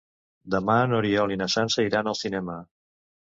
Demà n'Oriol i na Sança iran al cinema.